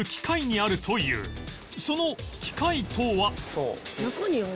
その機械とは？